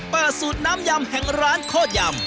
สูตรน้ำยำแห่งร้านโคตรยำ